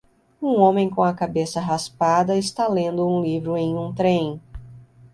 Um homem com a cabeça raspada está lendo um livro em um trem.